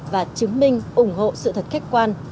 và chứng minh ủng hộ sự thật khách quan